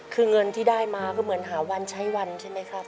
คือเงินที่ได้มาก็เหมือนหาวันใช้วันใช่ไหมครับ